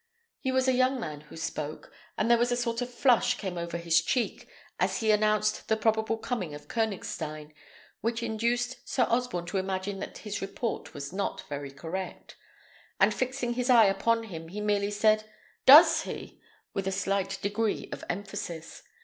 He was a young man who spoke, and there was a sort of flush came over his cheek, as he announced the probable coming of Koënigstein, which induced Sir Osborne to imagine that his report was not very correct; and fixing his eye upon him, he merely said, "Does he?" with a slight degree of emphasis.